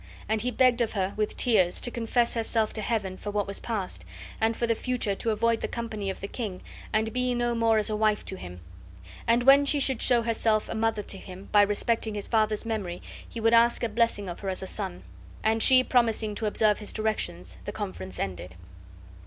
And he begged of her, with tears, to confess herself to Heaven for what was past, and for the future to avoid the company of the king and be no more as a wife to him; and when she should show herself a mother to him, by respecting his father's memory, he would ask a blessing of her as a son. And she promising to observe his directions, the conference ended.